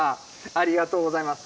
ありがとうございます。